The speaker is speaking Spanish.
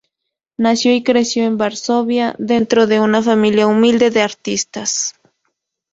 Nació y creció en Varsovia, dentro de una familia humilde de artistas.